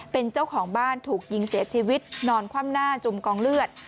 เป็นเจ้าของบ้านถูกยิงเสียชีวิตนอนคว่ำหน้าจมกองเลือด